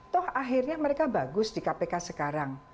toh akhirnya mereka bagus di kpk sekarang